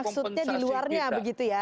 maksudnya di luarnya begitu ya